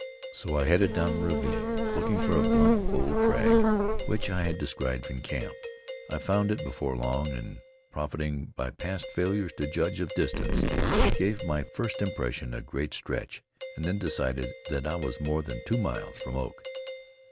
So I headed down the ravine, looking for a blunt, bold crag, which I had descried from camp. I found it before long, and profiting by past failures to judge of distance, gave my first impression a great stretch, and then decided that I was more than two miles from Oak.